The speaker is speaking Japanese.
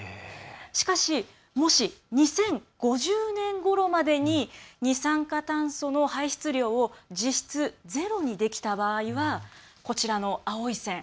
しかしもし２０５０年ごろまでに二酸化炭素の排出量を実質ゼロにできた場合はこちらの青い線。